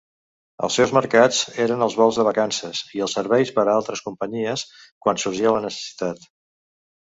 Els seus mercats eren els vols de vacances i els serveis per a altres companyies, quan sorgia la necessitat.